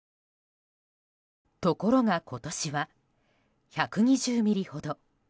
ところが今年は１２０ミリほど。